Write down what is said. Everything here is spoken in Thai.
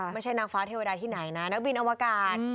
ไม่ใช่นางฟ้าเทวดาที่ไหนนะนักบินอวกาศ